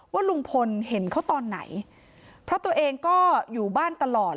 ว่าลุงพลเห็นเขาตอนไหนเพราะตัวเองก็อยู่บ้านตลอด